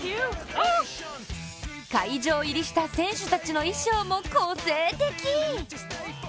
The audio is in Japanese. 会場入りした選手たちの衣装も個性的。